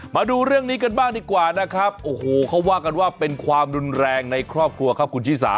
มาดูเรื่องนี้กันบ้างดีกว่านะครับโอ้โหเขาว่ากันว่าเป็นความรุนแรงในครอบครัวครับคุณชิสา